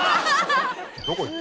どこ行った？